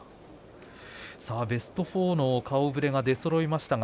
ベスト４の顔ぶれが出そろいました。